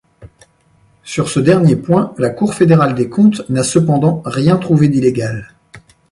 Sur ce dernier point, la cour fédérale des comptes n'a cependant rien trouvé d'illégal.